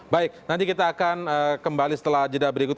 baik nanti kita akan kembali setelah jeda berikut